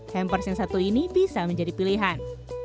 hampers yang satu ini bisa menjadi pilihan